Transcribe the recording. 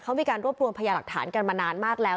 เขามีการรวบรวมพยาหลักฐานกันมานานมากแล้ว